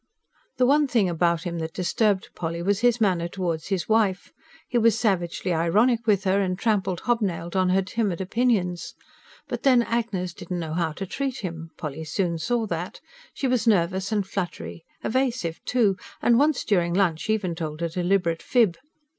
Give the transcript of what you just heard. The one thing about him that disturbed Polly was his manner towards his wife: he was savagely ironic with her, and trampled hobnailed on her timid opinions. But then Agnes didn't know how to treat him, Polly soon saw that: she was nervous and fluttery evasive, too; and once during lunch even told a deliberate fib.